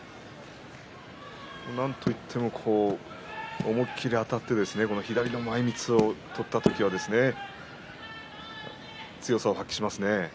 なんといっても思いっきりあたって左の前みつを取った時は強さを発揮しますね。